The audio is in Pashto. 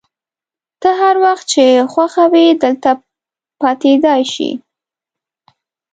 ته هر وخت چي خوښه وي دلته پاتېدای شې.